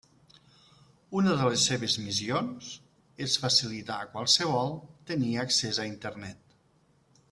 Una de les seves missions és facilitar a qualsevol tenir accés a Internet.